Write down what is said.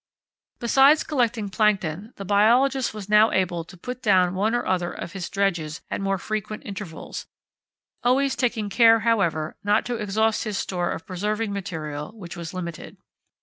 Besides collecting plankton the biologist was now able to put down one or other of his dredges at more frequent intervals, always taking care, however, not to exhaust his store of preserving material, which was limited.